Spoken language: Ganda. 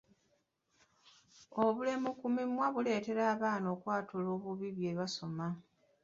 Obulemu ku mimwa buleetera abaana okwatula obubi bye basoma.